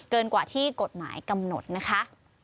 กว่าที่กฎหมายกำหนดนะคะ